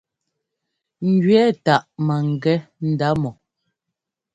Ŋjʉɛ́ táʼ maŋgɛ́ ndá mɔ.